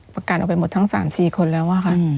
ประกันออกไปหมดทั้ง๓๔คนแล้วค่ะ